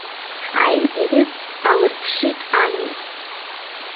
Аинтирес алырԥшит Ани.